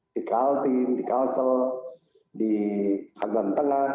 di kaltim di kalsel di agam tengah